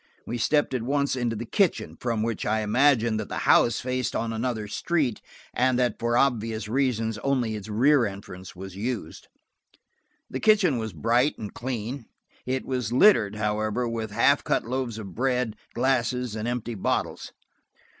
We stepped at once into the kitchen, from which I imagined that the house faced on another street, and that for obvious reasons only its rear entrance was used. The kitchen was bright and clean; it was littered, however, with half cut loaves of bread, glasses and empty bottles.